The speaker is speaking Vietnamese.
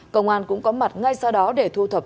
công an cũng có mặt ngay sau đó để thu thập